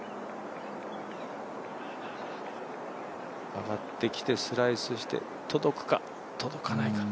上がってきて、スライスして届くか届かないか。